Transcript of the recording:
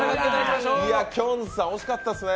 きょんさん惜しかったですね。